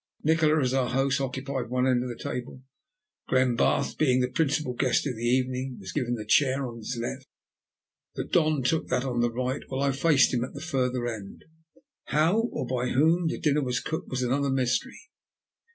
Nikola, as our host, occupied one end of the table; Glenbarth, being the principal guest of the evening, was given the chair on his left; the Don took that on the right, while I faced him at the further end. How, or by whom, the dinner was cooked was another mystery.